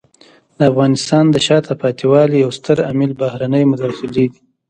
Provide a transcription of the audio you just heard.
د افغانستان د شاته پاتې والي یو ستر عامل بهرنۍ مداخلې دي.